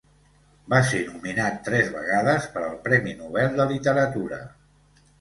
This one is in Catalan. Va ser nominat, tres vegades, per al Premi Nobel de Literatura.